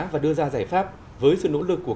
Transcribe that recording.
và đưa ra giải pháp với sự nỗ lực của